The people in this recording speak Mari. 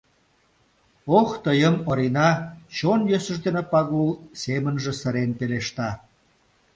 — Ох, тыйым, Орина! — чон йӧсыж дене Пагул семынже сырен пелешта.